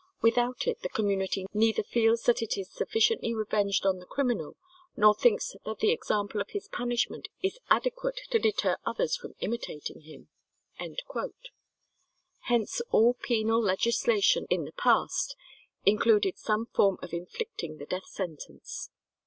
Without it the community neither feels that it is sufficiently revenged on the criminal, nor thinks that the example of his punishment is adequate to deter others from imitating him." Hence all penal legislation in the past included some form of inflicting the death sentence.